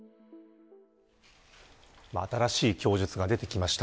新しい供述が出てきました。